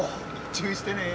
注意してね。